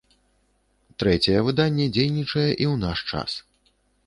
Трэцяе выданне дзейнічае і ў наш час.